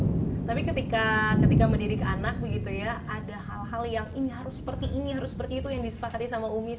ada hal hal yang ini harus seperti ini harus seperti itu yang disepakati sama umi